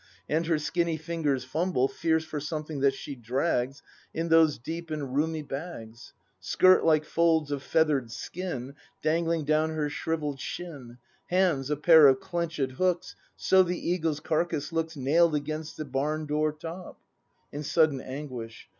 And her skinny fingers fumble Fierce for something that she drags In those deep and roomy bags. Skirt, like folds of feather'd skin, Dangling down her shrivelled shin; Hands, a pair of clenched hooks; So the eagle's carcass looks Nail'd against the barn door top. [In sudden anguish.